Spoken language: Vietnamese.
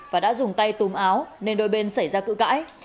và đã dùng tay túm áo nên đôi bên xảy ra cự cãi